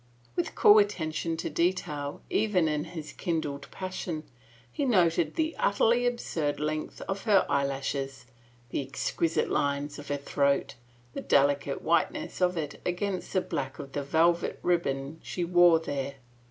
With cool attention to detail even in his kindling passion, he noted the utterly absurd length of her eyelashes, the exquisite lines of her throat, and the delicate whiteness of it against the black of the velvet ribbon she wore there.